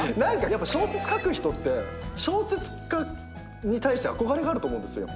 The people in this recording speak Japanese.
やっぱ小説書く人って小説家に対して憧れがあると思うんですよ。